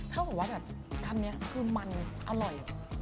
ถ้าบอกว่าคำนี้มันอร่อย